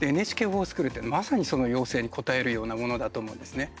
「ＮＨＫｆｏｒＳｃｈｏｏｌ」って、まさにその要請に応えるようなものだと思うんですね。